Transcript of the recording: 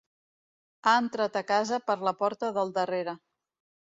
Ha entrat a casa per la porta del darrere.